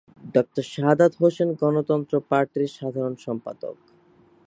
Doctor Shahadat Hossain গণতন্ত্র পার্টির সাধারণ সম্পাদক।